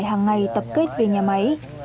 rác thải hàng ngày tập kết về nhà máy